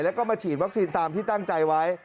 แล้วก็มาฉีดวัคซีนตามที่ตั้งใจไว้